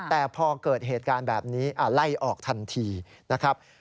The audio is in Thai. แต่พอเกิดเหตุการณ์แบบนี้ไล่ออกทันทีนะครับ